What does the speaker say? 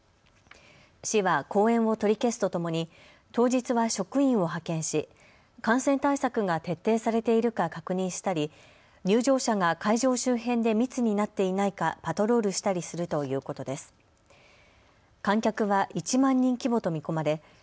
市は後援を取り消すとともに当日は職員を派遣し、感染対策が徹底されているか確認したり入場者が会場周辺で密になっていないかパトロールしたりするということです。